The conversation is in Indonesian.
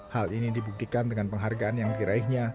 hal ini dibuktikan dengan penghargaan yang diraihnya